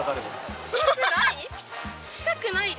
したくない？